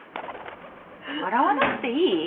洗わなくていい？